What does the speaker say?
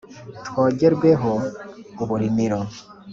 Twogerwe ho uburimiro